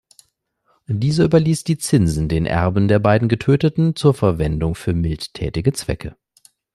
Dieser überließ die Zinsen den Erben der beiden Getöteten zur Verwendung für mildtätige Zwecke.